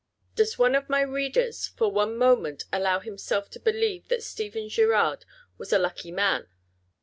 Does one of my readers for one moment allow himself to believe that Stephen Girard was a lucky man?